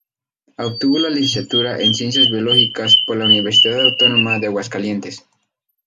Obtuvo la licenciatura en ciencias biológicas por la Universidad Autónoma de Aguascalientes.